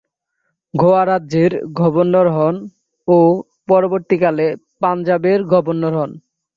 গোয়া রাজ্যের গভর্নর হন ও পরবর্তীকালে পাঞ্জাবের গভর্নর হন।